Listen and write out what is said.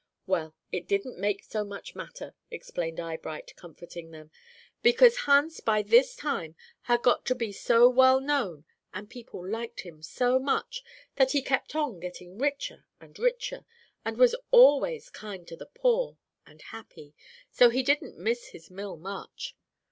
"Well, it didn't make so much matter," explained Eyebright, comforting them, "because Hans by this time had got to be so well known, and people liked him so much, that he kept on getting richer and richer, and was always kind to the poor, and happy, so he didn't miss his mill much.